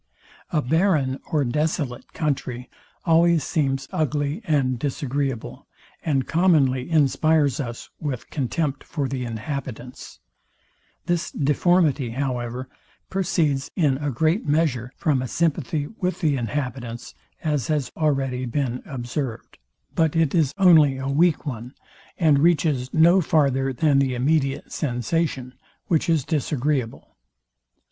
A barren or desolate country always seems ugly and disagreeable, and commonly inspires us with contempt for the inhabitants. This deformity, however, proceeds in a great measure from a sympathy with the inhabitants, as has been already observed; but it is only a weak one, and reaches no farther than the immediate sensation, which is disagreeable.